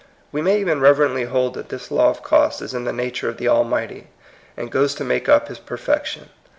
We may even reverently hold that this law of cost is in the nature of the Al mighty, and goes to make up his perfec tion.